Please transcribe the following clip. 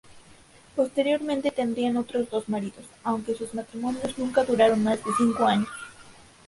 Posteriormente tendría otros dos maridos, aunque sus matrimonios nunca duraron más de cinco años.